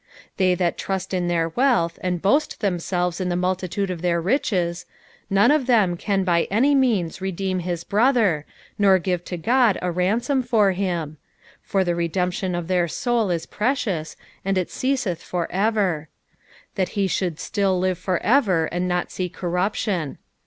6 They that trust in their wealth, and boast themselves in the multitude of their riches ; 7 None of them can by any means redeem his brother, nor give to God a ransom for him : 8 (For the redemption of their soul is precious, and it ceaseth for ever :} 9 That he should still live for ever, and not see corruption.